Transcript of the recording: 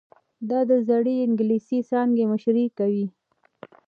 دا د زړې انګلیسي څانګې مشري کوي.